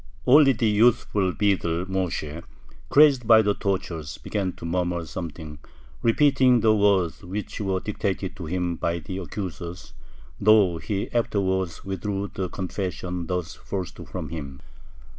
Only the youthful beadle Moyshe, crazed by the tortures, began to murmur something, repeating the words which were dictated to him by the accusers, though he afterwards withdrew the confession thus forced from him.